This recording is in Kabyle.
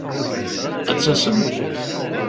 Ad d-tasem?